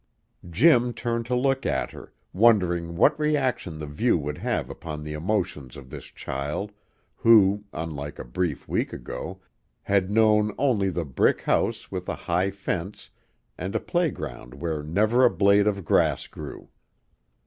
Jim turned to look at her, wondering what reaction the view would have upon the emotions of this child who, until a brief week ago, had known only the "brick house with a high fence and a playground where never a blade of grass grew."